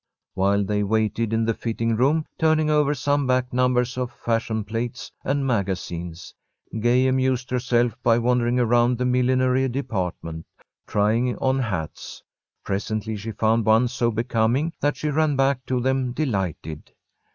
While they waited in the fitting room, turning over some back numbers of fashion plates and magazines, Gay amused herself by wandering around the millinery department, trying on hats. Presently she found one so becoming that she ran back to them, delighted.